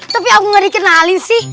tapi aku nggak dikenalin sih